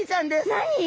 何！？